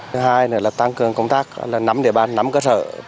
thứ hai là tăng cường công tác nắm địa bàn nắm cơ sở